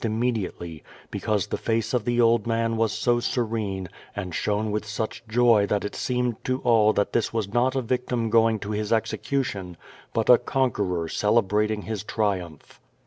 immediately, beijause the face of the old man was so serene and shone with such joy that it seemed to all that this was not a victim going to his execution, but a conqueror cele brating his triumph.